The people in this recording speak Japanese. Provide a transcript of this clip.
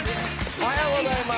おはようございます。